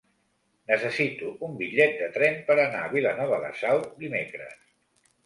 Necessito un bitllet de tren per anar a Vilanova de Sau dimecres.